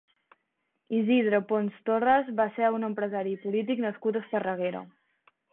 Isidre Pons Torras va ser un empresari i polític nascut a Esparreguera.